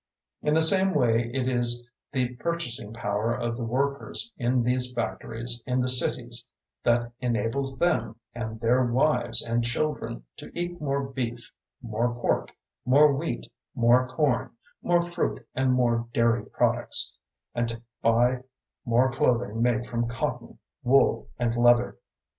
In the same way it is the purchasing power of the workers in these factories in the cities that enables them and their wives and children to eat more beef, more pork, more wheat, more corn, more fruit and more dairy products, and to buy more clothing made from cotton, wool and leather.